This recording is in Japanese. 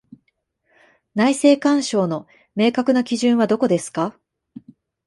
内政干渉の明確な基準はどこですか？